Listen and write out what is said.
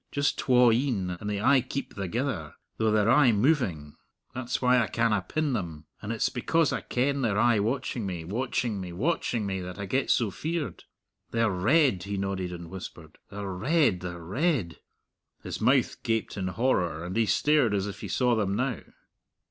Just twa een, and they aye keep thegither, though they're aye moving. That's why I canna pin them. And it's because I ken they're aye watching me, watching me, watching me that I get so feared. They're red," he nodded and whispered "they're red they're red." His mouth gaped in horror, and he stared as if he saw them now.